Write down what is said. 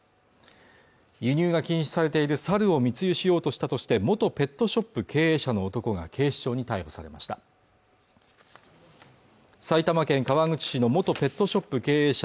輸入が禁止されているサルを密輸しようとしたとして元ペットショップ経営者の男が警視庁に逮捕されました埼玉県川口市の元ペットショップ経営者